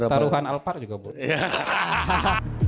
taruhan alphard juga boleh